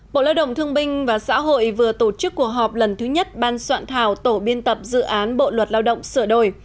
bộ lao động thương binh và xã hội vừa tổ chức cuộc họp lần thứ nhất ban soạn thảo tổ biên tập dự án bộ luật lao động sửa đổi